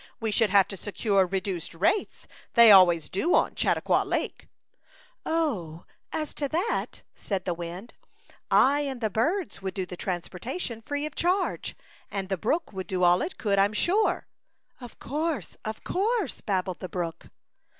We should have to secure reduced rates. They always do on Chautauqua Lake/* " Oh ! as to that/' said the wind, " I and the birds would do the trans portation free of charge, and the brook would do all it could, Fm sure/' "Of course, of course,'* babbled the brook.